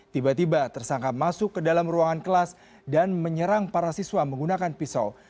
tiba tiba tersangka masuk ke dalam ruangan kelas dan menyerang para siswa menggunakan pisau